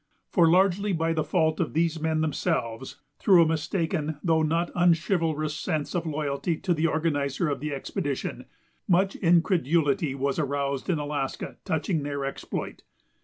For, largely by the fault of these men themselves, through a mistaken though not unchivalrous sense of loyalty to the organizer of the expedition, much incredulity was aroused in Alaska touching their exploit.